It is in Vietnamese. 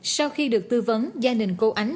sau khi được tư vấn gia đình cô ánh